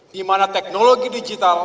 di mana teknologi digital